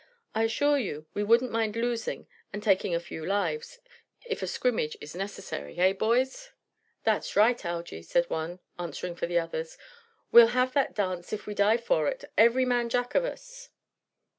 I assure you we wouldn't mind losing and taking a few lives if a scrimmage is necessary. Eh, boys?" "That's right, Algy," said one, answering for the others; "we'll have that dance if we die for it ev'ry man Jack of us."